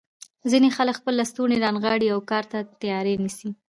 ځینې خلک خپل لستوڼي رانغاړي او کار ته تیاری نیسي.